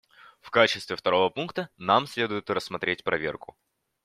В качестве второго пункта нам следует рассмотреть проверку.